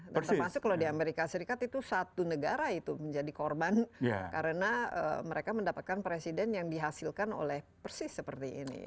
dan termasuk kalau di amerika serikat itu satu negara itu menjadi korban karena mereka mendapatkan presiden yang dihasilkan oleh persis seperti ini